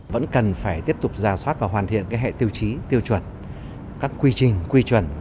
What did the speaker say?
vẫn cần phải tiếp tục giả soát và hoàn thiện hệ tiêu chí tiêu chuẩn các quy trình quy chuẩn